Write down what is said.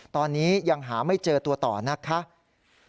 ตอนนี้ยังหาไม่เจอตัวต่อนะคะ